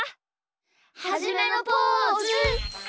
はじめのポーズ！